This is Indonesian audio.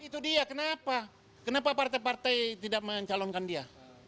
itu dia kenapa kenapa partai partai tidak mencalonkan dia